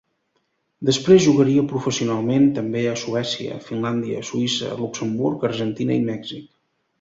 Després jugaria professionalment també a Suècia, Finlàndia, Suïssa, Luxemburg, Argentina i Mèxic.